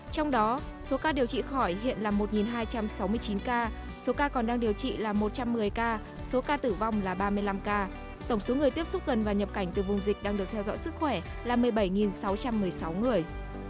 trong đó số ca điều trị khỏi hiện là một hai trăm sáu mươi chín ca số ca còn đang điều trị là một trăm một mươi ca số ca tử vong là ba mươi năm ca tổng số người tiếp xúc gần và nhập cảnh từ vùng dịch đang được theo dõi sức khỏe là một mươi bảy sáu trăm một mươi sáu người